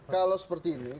kalau seperti ini